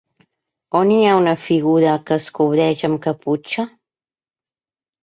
On hi ha una figura que es cobreix amb caputxa?